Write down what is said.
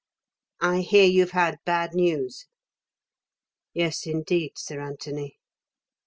"I hear you've had bad news." "Yes, indeed, Sir Anthony."